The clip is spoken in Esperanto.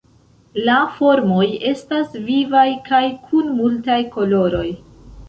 La formoj estas vivaj kaj kun multaj koloroj.